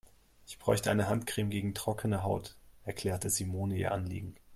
Ich bräuchte eine Handcreme gegen trockene Haut, erklärte Simone ihr Anliegen.